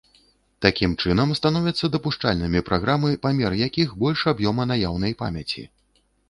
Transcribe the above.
Такім чынам становяцца дапушчальнымі праграмы, памер якіх больш аб'ёма наяўнай памяці.